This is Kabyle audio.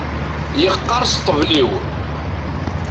Yeqqerṣ ṭṭbel-iw.